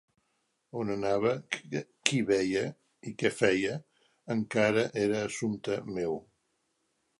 On anava, qui veia i què feia encara era assumpte meu.